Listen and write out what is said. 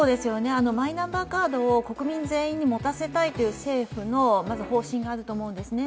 マイナンバーカードを国民全員に持たせたいという政府のまず方針があると思うんですね。